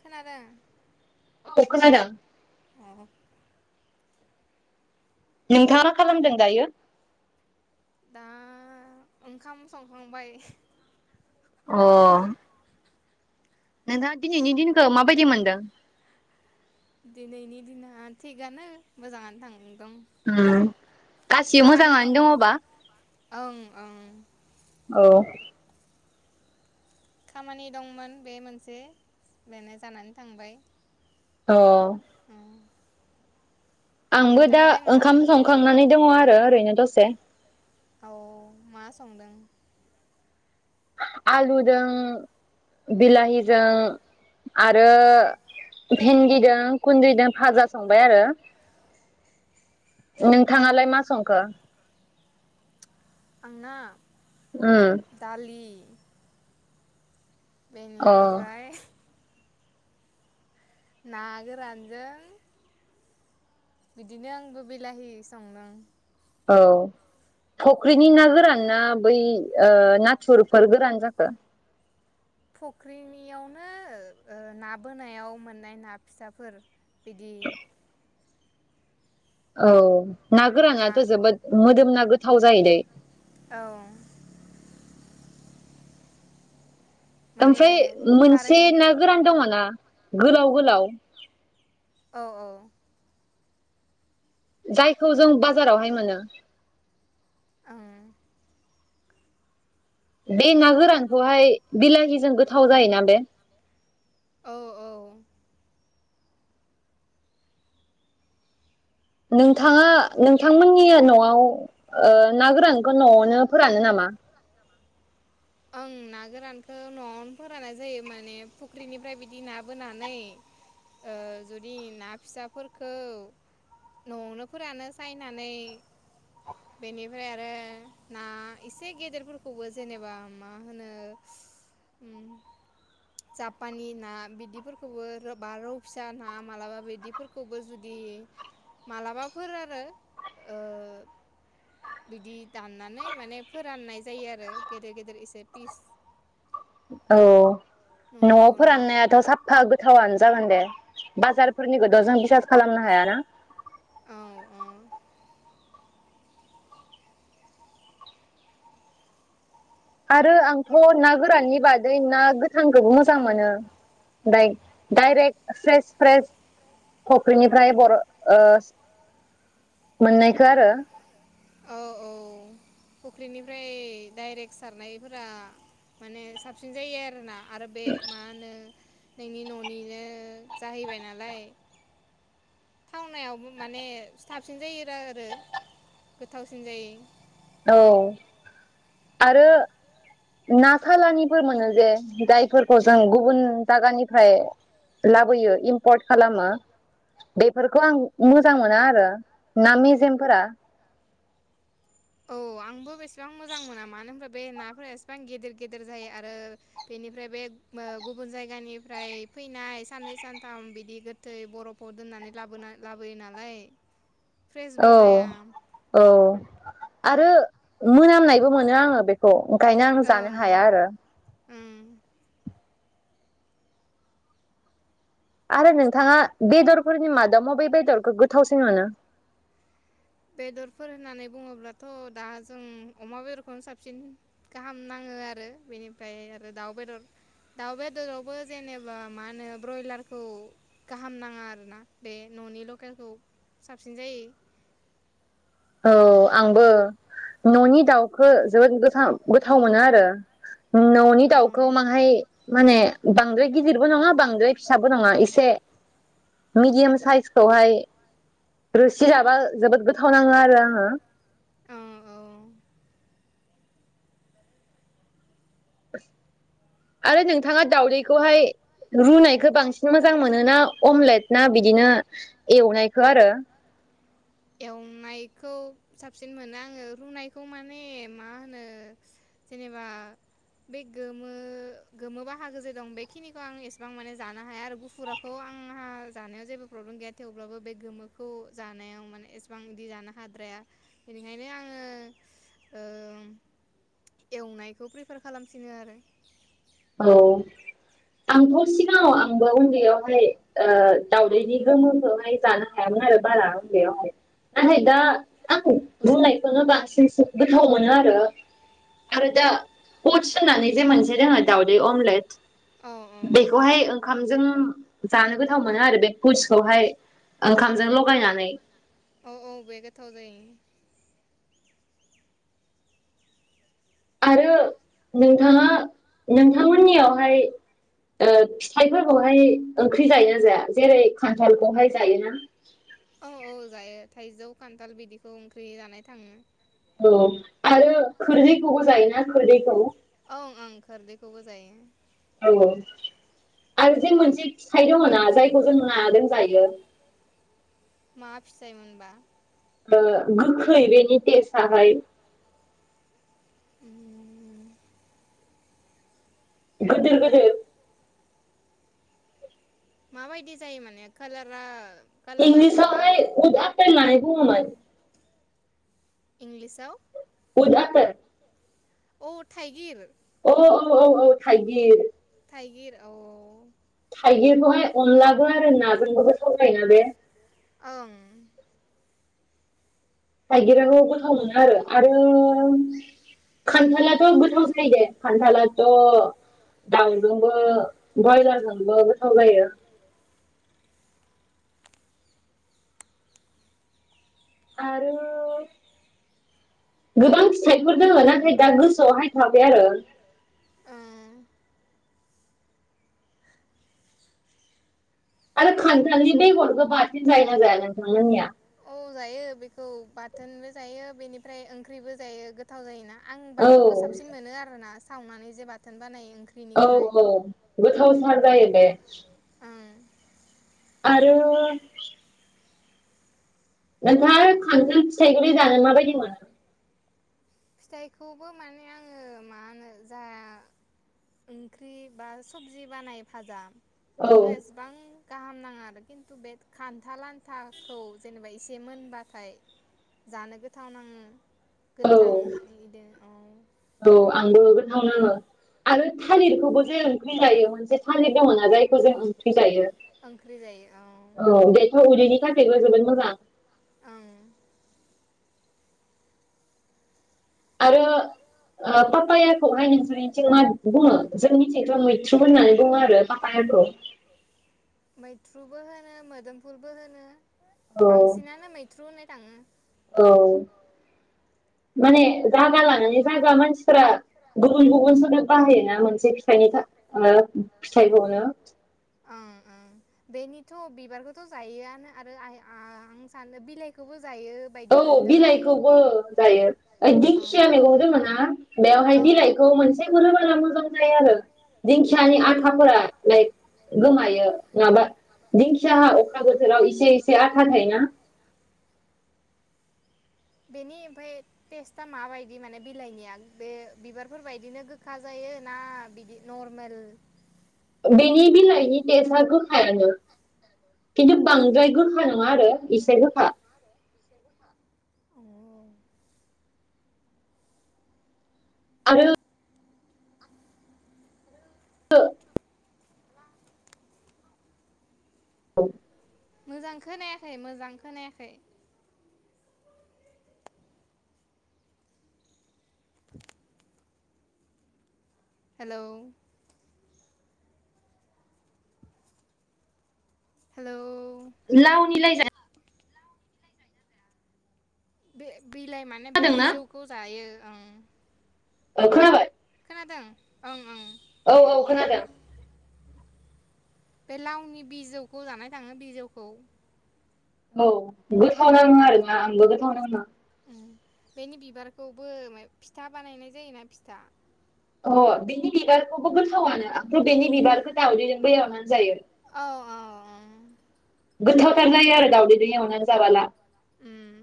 खोनादों? औ खोनादों ओम नोंथाङा खालामदों दायो? दा ओंखाम संखांबाय अ नोंथाङा दिनैनि दिनखौ माबायदि मोनदों? दिनैनि दिना थिगआनो मोजाङानो थाङ ओम। खामानि दं ओं ओं। औ। खामानि दंमोन बे मोनसे बेनो जानानै थांबाय अ। [inaudible] आंबो दा ओंखाम संखांनानै दङ आ ओ ओरैनो दसे औ मा संदों? आलुजों बिलाहिजों आरो भिन्दिजों गुन्द्रिजों भाजा संबाय आरो नोंथाङालाय मा संखो? आंना दालि। बेनिफ्राय ना गोरानजों बिदिनो आंबो बिलाहि संदों। औ फुख्रिनि ना गोरान ना बै ओ नाथुरफोर गोरान जाखो? फुख्रिनियावनो ना बोनायाव मोननाय ना फिसाफोर बिदि औ। ना गोरानाथ जोबोद मोदोम ना थाव जायो दे औ। ओमफ्राय मोनसे ना गोरान दङ ना गोलाव गोलाव। औ औ। जायखौ जों बाजारावहाय मोनो। बे ना गोरानखौहाय बिलाहिजों गोथाव जायोना बे? औ औ नोंथाङा नोंथांमोननि नआव ना गोरानखौ नआवनो फोरानो नामा? ओं ना गोरानखौ नआवनो फोराननाय जायो माने फुख्रिनिफ्राय बिदि ना बोनानै ओ जुदि ना फिसाफोरखौ नआवनो फोरानो सायनानै बेनिफ्राय आरो ना इसे गेदेरफोरखौबो जेनेबा मा होनो उम जापानि ना बिदिफोरखौबो बा रौ फिसा ना मालाबा बिदिफोरखौबो जुदि मालाबाफोर आरो ओ बिदि दाननानै माने फोराननाय जायो आरो गेदेर गेदेर एस तेपिस औ न'आव फोराननायाथ साफा गोथावानोसै जागोन दे बाजारफोरनिखौथ जों बिसास खालामनो हायाना। औ औ आरो आंथ ना गोराननि बादै ना गोथांखौबो मोजां मोनो दाइ डायरेक्ट फ्रेस फ्रेस फख्रिनिफ्राय बर ओ मोननायखो आरो। औ औ फुख्रिनिफ्राय डाइरेक सारनायफोरा माने साबसिन जायो आरोना। आरो बे मा होनो। नोंनि ननिनो जाहैबाय नालाय। थावनायावबो माने साबसिन जायोरा आरो गोथावसिन जायो। औ आरो ना सालानिफोर मोनो जे जायफोरखौ जों गुबुन जायगानिफ्राय लाबोयो इम्पर्ट खालामो बेफोरखौ आं मोजां मोना आरो ना मेजेमफोरा औ आंबो बेसेबां मोजां मोना मानो होना बे नाफोरा एसेबां गेदेर गेदेर जायो आरो बेनिफ्राय बे ओ गुबुन जायगानिफ्राय फैनाय साननै सानथाम बिदि गोथै बरफाव दोननानै लाबोना लाबोयो नालाय। औ औ। आरो मोनामनायबो मोनो आङो बेखौ ओंखायनो आं जानो हाया आरो। आरो नोंथाङा बेदरफोरनि मादाव मबे बेदरखौ गोथावसिन मोनो? बेदरफोर होननानै बुङोब्लाथ दा जों अमा बेदरखौनो साबसिन गाहाम नाङो आरो बेनिफ्राय आरो दाउ बेदर दाउ बेदरावबो जेनेबा मा होनो ब्रयलारखौ गाहाम नाङा आरोना बे ननि लकेलखौ साबसिन जायो। औ आंबो ननि दाउखो जोबोद गो-गोथाव मोनो आरो ननि दाउखौ माहाय माने बांद्राय गिदिरबो नङा बांद्राय फिसाबो नङा एसे मिडियाम साइसखौहाय रोसि जाबा जोबोद गोथाव नां [unintelligible] आङो। ओ औ आरो नोंथाङा दावदैखौहाय रुनायखौ बांसिन मोजां मोनो ना अमलेट ना बिदिनो एवनायखौ आरो एवनायखौ साबसिन मोनो आङो रुनायखौ माने मा होनो जेनेबा बे गोमो गोमो बाहागो जे दं बेखिनिखौ आं एसेबां माने जानो हाया आरो गुफुराखौ आंहा जानाया जेबो प्रब्लेम गैया थेवब्लाबो बे गोमोखौ जानायाव माने एसेबां दि जानो हाद्राया बेनिखायनो आङो ओ एवनायखौ प्रिफार खालामफिनो आरो। औ आंथ सिगाङाव आंबो उन्दैयावहाय दावदैनि गोमोखौहाय जान हायामोन आरो बारा उन्दैयावहाय नाथाय दा आं बुंनायखौनो बांसिनसो गोथाव मोनो आरो आरो दा कच होननानै जे मोनसे दोङो दावदै अमलेट बेखौहाय ओंखामजों जानो गोथाव मोनो आरो बे कुसखौहाय ओंखामजों लगायनानै। औ औ बे गोथाव जायो। आरो नोंथाङा नोंथांमोननियावहाय ओ फिथाइफोरखौहाय ओंख्रि जायोना जाया जेरै खान्थालखौहाय जायोना? औ औ जायो थाइजौ खान्थाल बिदिखौ ओंख्रि जानाय थाङो। औ आरो खोरदैखौबो जायोना खोरदैखौ ओं ओं खारदैखौबो जायो। ए आरो जे मोनसे फिथाइ दङ' ना जायखौ जों नादों जायो। मा फिथाय मोनबा? ओ गोखै बेनि टेसआहाय। [inaudible] गोदोर गोदोर माबायदि जायो माने कालारा इंलिसावहाय उद आ फेन लानाय बुङोमोन। इंलिसआव उद आफेल अ थाइगिर औ औ औ औ थाइगिर थायगिर औ थाइगिरखौहाय अनलाबो आरो नाजोंबोबो गोथाव जायोना बे ओं। थाइगिरखौ गोथाव मोनो आरो आरो खान्थालाथ' गोथाव जायो दे खान्थालाथ' दाउजोंबो ब्रयलारजोंबो गोथाव जायो। आरो गोबां फिथाइफोर दोङो नाथाय दा गोसोआव फायथवाखै आरो आरो खानथालनि बेगरखौ बाथोन जायोना जाया नोंथांमोननिया? औ जायो बेखौ बाथोनबो जायो बेनिफ्राय ओंख्रिबो जायो गोथाव जायोना आं बाथोनखौ साबसिन मोनो आरोनास सावनानै जे बाथोन बानायो। औ औ गोथाव थार जायो। बे आरो नोंथाङा खान्थाल फिथायखौलाय जानान माबायदि मोनो? फिथाइखौबो माने आङो मा होनो जा ओंख्रि बा सबजि बानाय फाजा बिदिखो एसेबां गाहाम नाङा आरो खिन्थु बे खान्थाल आनथाखौ जेनेबा एसे मोनबाथाय जानो गोथाव नाङो थांनिदो अ। थावनाङो आरो थालिरखौबो जे ओंख्रि जायो मोनसे थालिर दङना जायखौ जों ओंख्रि जायो। औ बेथ उदैनि थाखैबो जोबोद मोजां। आरो ओ पापायाखौ हाय नोंसोरनिथिं मा बुङो जोंनिथिंथ मैथ्रु होननानै बुङो आरो पापायाखौ। मैथ्रुबो होनो मोदोमफुलबो होनो। बांसिनानो मैथ्रु होननाय थाङो। माने जागा लानानै जागा मानसिफोरा गुबुन गुबुन सोदोब बाहायोना मोनसे फिथाइनि थाखाइ ओ फिथाइखौनो ओं ओं बेनिथ' बिबारखौथ' जायोआनो आरो आइ ओ आं सानो बिलाइखौबो औ बिलाइखौबो जायो ओइ दिंखिया मैगं दोङ ना बेवहाय बिलाइखौ मोनसे [unintelligible] मोजां फ्रायानो दिंखियानि आथाफोरा लाइक गोमायो माबा दिंखियाहा अखा बोथोराव एसे एसे आथा थायोना बेनि ओमफाय टेस्टआ माबायदि माने बिलाइनिया बे बिबारफोरबायदिनो गोखा जायो ना बिदि नरमेल बेनि बिलाइनि टेस्टआ गोखायानो खिन्थु बांद्राय गोखा नङा आरो एसे गोखा अह आरो औ मोजां खोनायाखै मोजां खोनायाखै [unintelligible] हेलौ हेलौ लावनिलाय जा बे बिलाइ माने बे बिजौखौ जायो ओं ओ खोनाबाय खोनादों ओं ओं औ औ खोनादों। बे लावनि बिजौखौ जानाय थाङो बिजौखौ औ गोथाव नाङो आरोना आंबो गोथाव नाङो ओम बेनि बिबारखौबो माय फिथा बानायनाय जायोना फिथा अ बिनि बिबारखौबो गोथावानो आंथ' बेनि बिबारखौ दावदैजोंबो एवनानै जायो औ औ औ गोथावथार जायो आरो दावदैजों एवनानै जाबाला उम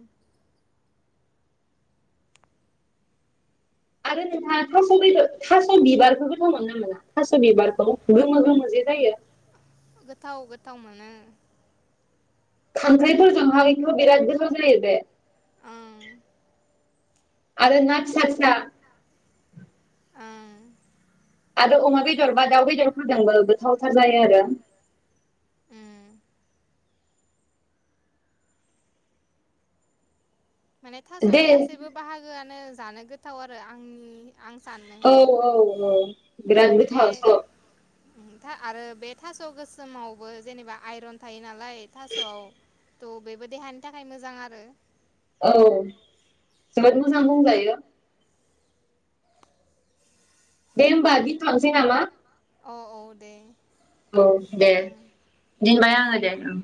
आरो नोंहा [unintelligible] थास' बेदर थास' बिबारखौ गोथाव मोनो ना मोनला थास' बिबारखौ गोमो गोमो जे जायो गोथाव गोथाव मोनो खांख्राइफोरजोंहायथ' बिराद गोथाव जायो बे आरो ना फिसा फिसा आरो अमा बेदर बा दाउ बेदरफोरजोंबो गोथावथार जायो आरो उम माने थास'नि गासैबो बाहागोआनो ज जानो गोथाव आरो आंनि औ औ औ बिराद गोथावस' ओम था आरो बे थास' गोसोमावबो जेनेबा आइरन थायो नालाय थास'आव थ' बेबो देहानि थाखाय मोजां आरो औ जोबोद मोजां बुंजायो दे होमबा [unintelligible] सै नामा औ औ दे औ दे दिनबाय आं [unintelligible]